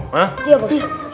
dia bapak ustadz